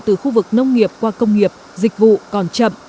từ khu vực nông nghiệp qua công nghiệp dịch vụ còn chậm